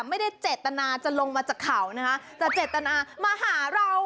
ไม่ได้เจตนาจะลงมาจากเขานะคะแต่เจตนามาหาเรา